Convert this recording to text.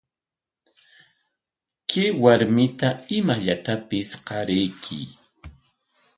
Kay warmita imallatapis qarayuy.